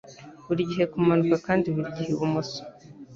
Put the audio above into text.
burigihe kumanuka kandi burigihe ibumoso